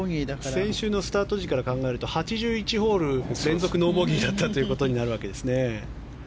先週のスタート時から考えると８５ホール連続ノーボギーだったということになりますね。